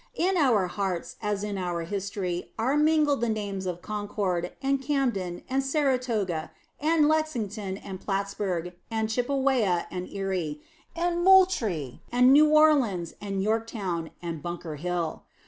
In our hearts, as in our history, are mingled the names of Concord, and Camden, and Saratoga, and Lexington, and Plattsburg, and Chippewa, and Erie, and Moultrie, and New Orleans, and Yorktown, and Bunker Hill.